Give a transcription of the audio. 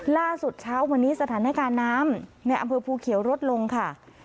ล่าสุดเช้าวันนี้สถานการณ์น้ำในอำเภอภูเขียวลดลงค่ะ